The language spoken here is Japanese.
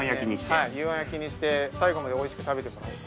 はい幽庵焼きにして最後まで美味しく食べてもらおうと。